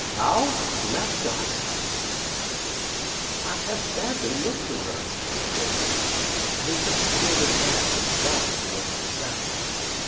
How ! left us ? I have badly looked to her, quoth he, and he took shield and lance and galloped towards the sound.